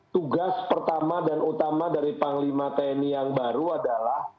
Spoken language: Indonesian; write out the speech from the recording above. tugas pertama dan utama dari panglima tni yang baru adalah